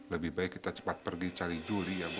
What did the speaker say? lebih baik kita cepat pergi cari juli ya bu